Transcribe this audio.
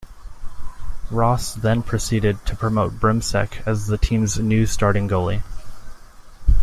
Ross then proceeded to promote Brimsek as the team's new starting goalie.